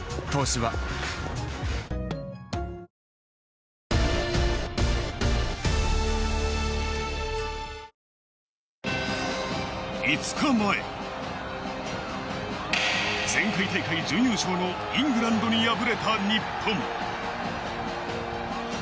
「東芝」５日前、前回大会準優勝のイングランドに敗れた日本。